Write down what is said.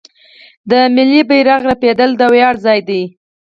د ملي بیرغ رپیدل د ویاړ ځای دی.